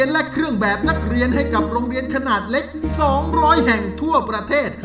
และเรียนให้กับโรงเรียนขนาดเล็ก๒๐๐แห่งทั่วประเทศ